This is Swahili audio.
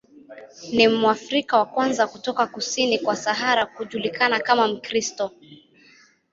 Ni Mwafrika wa kwanza kutoka kusini kwa Sahara kujulikana kama Mkristo.